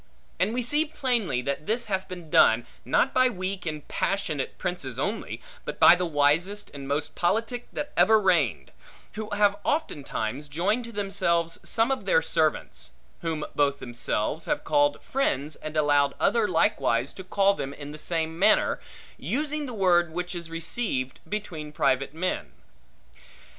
And we see plainly that this hath been done, not by weak and passionate princes only, but by the wisest and most politic that ever reigned; who have oftentimes joined to themselves some of their servants; whom both themselves have called friends, and allowed other likewise to call them in the same manner; using the word which is received between private men.